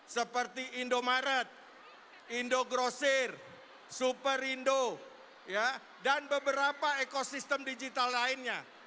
seperti indomaret indogrosir superindo dan beberapa ekosistem digital lainnya